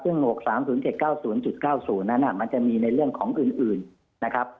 ซึ่งหมวก๓๐๗๙๐๙๐นั้นมันจะมีในเรื่องของอื่นนะครับ